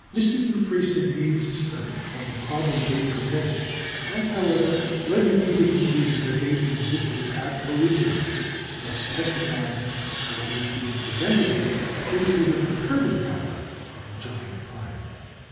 M. de Freycinet's study of the problem they present has, however, led him to the conclusion that they existed ab origine, thus testifying rather to the preventive than to the perturbing power of the giant planet.